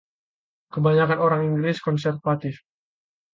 Kebanyakan orang Inggris konservatif.